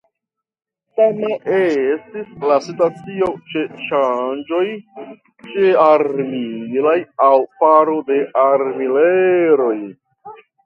Sama estis la situacio ĉe ŝanĝoj ĉearmilaj aŭ faro de armileroj.